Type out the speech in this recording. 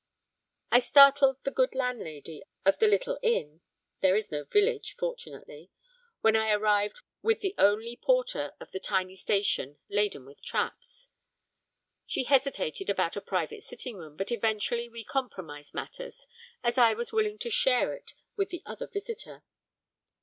I startled the good landlady of the little inn (there is no village fortunately) when I arrived with the only porter of the tiny station laden with traps. She hesitated about a private sitting room, but eventually we compromised matters, as I was willing to share it with the other visitor.